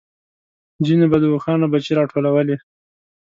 ځينو به د اوښانو پچې راټولولې.